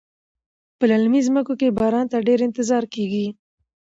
په للمي ځمکو کې باران ته ډیر انتظار کیږي.